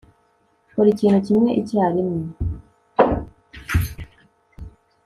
kora ikintu kimwe icyarimwe